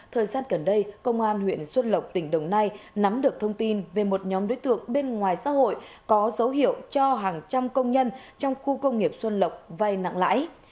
thời gian gần đây công an huyện xuân lộc tỉnh đồng nai nắm được thông tin về một nhóm đối tượng bên ngoài xã hội có dấu hiệu cho hàng trăm công nhân trong khu công nghiệp xuân lộc vay nặng lãi